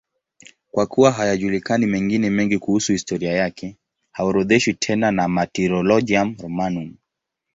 Kwa kuwa hayajulikani mengine mengi kuhusu historia yake, haorodheshwi tena na Martyrologium Romanum.